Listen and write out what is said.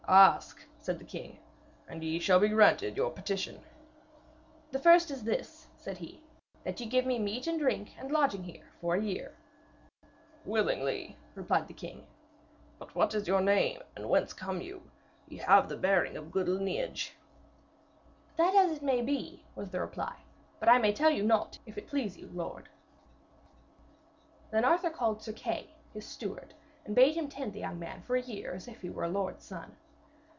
'Ask,' said the king, 'and ye shall be granted your petition.' 'The first is this,' said he, 'that ye give me meat and drink and lodging here for a year.' 'Willingly,' said the king, 'but what is your name and whence come you? Ye have the bearing of good lineage.' 'That is as may be,' was the reply, 'but I may tell you naught, if it please you, lord.' Then King Arthur called Sir Kay, his steward, and bade him tend the young man for a year as if he were a lord's son.